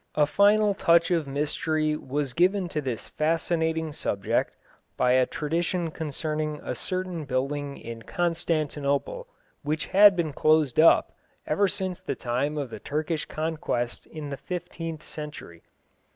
A final touch of mystery was given to this fascinating subject by a tradition concerning a certain building in Constantinople which had been closed up ever since the time of the Turkish conquest in the fifteenth century.